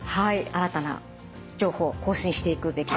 新たな情報更新していくべきですね。